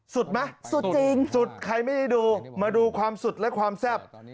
สุดไหมสุดจริงสุดใครไม่ได้ดูมาดูความสุดและความแซ่บ